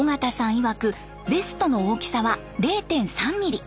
いわくベストの大きさは０．３ミリ。